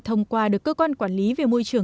thông qua được cơ quan quản lý về môi trường